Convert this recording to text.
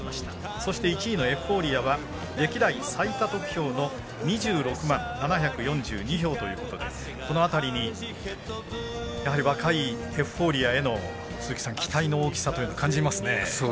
そして１位のエフフォーリアは歴代最多得票の２６万７４２票ということでこの辺りにやはり若いエフフォーリアへの期待の大きさ感じますね。